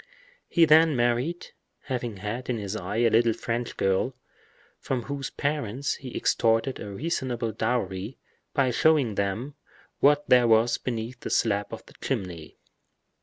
He then married, having had in his eye a little French girl, from whose parents he extorted a reasonable dowry by showing them what there was beneath the slab of the chimney.